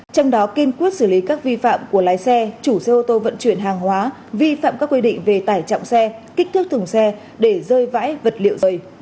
trong đó kiên quyết xử lý các vi phạm của lái xe chủ xe ô tô vận chuyển hàng hóa vi phạm các quy định về tải trọng xe kích thước thùng xe để rơi vãi vật liệu dày